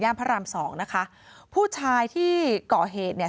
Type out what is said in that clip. พระรามสองนะคะผู้ชายที่ก่อเหตุเนี่ย